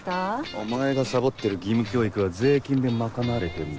お前がサボってる義務教育は税金で賄われてんだよ。